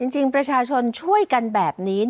จริงประชาชนช่วยกันแบบนี้